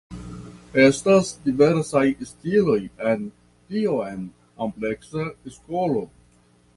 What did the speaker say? Estas diversaj stiloj en tiom ampleksa skolo.